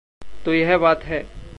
तो यह बात है!